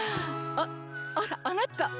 あっあらあなた。